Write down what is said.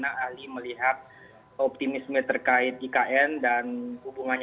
dan kami juga memiliki pengetahuan terkait tema riset yang kita lakukan